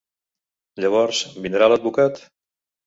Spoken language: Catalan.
Llavors, vindrà a l'advocat?